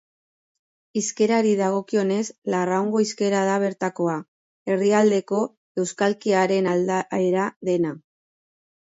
Hizkerari dagokionez, Larraungo hizkera da bertakoa, erdialdeko euskalkiaren aldaera dena.